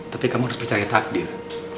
tapi kamu harus percaya takdir